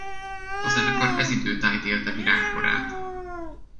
A zenekar ez idő tájt élte virágkorát.